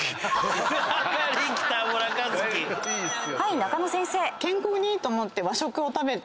はい中野先生。